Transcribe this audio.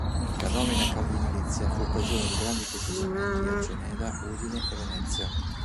La nomina cardinalizia fu occasione di grandi festeggiamenti a Ceneda, Udine e Venezia.